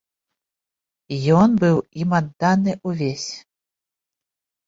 Ён быў ім адданы ўвесь.